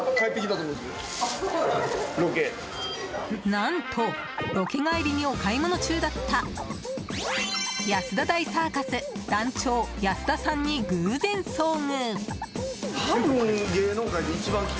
何と、ロケ帰りにお買い物中だった安田大サーカス団長安田さんに偶然遭遇。